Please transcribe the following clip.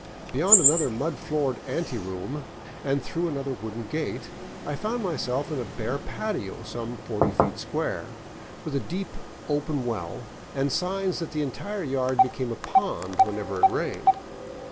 Beyond another mud floored anteroom and through another wooden gate, I found myself in a bare patio some forty feet square, with a deep open well and signs that the entire yard became a pond whenever it rained.